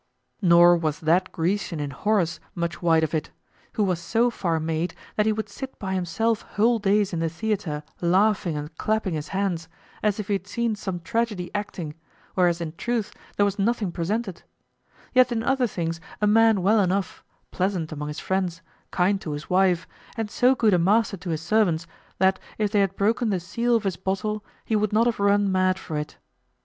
Nor was that Grecian in Horace much wide of it, who was so far made that he would sit by himself whole days in the theatre laughing and clapping his hands, as if he had seen some tragedy acting, whereas in truth there was nothing presented; yet in other things a man well enough, pleasant among his friends, kind to his wife, and so good a master to his servants that if they had broken the seal of his bottle, he would not have run mad for it.